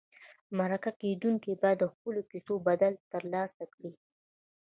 مرکه کېدونکي باید د خپلو کیسو بدل ترلاسه کړي.